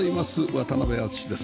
渡辺篤史です